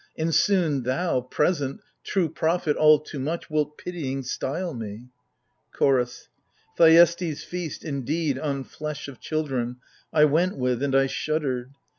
And soon thou, present, " True prophet all too much " wilt pitying style me ! CHOROS. Thuestes' feast, indeed, on flesh of children, I went with, and I shuddered.